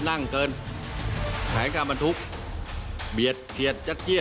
สนุนโดยเอกลักษณ์ใหม่ในแบบที่เป็นคุณโอลี่คัมรี่